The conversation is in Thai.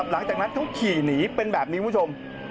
หลังจากนั้นเขาขี่หนีเป็นแบบนี้คุณผู้ชม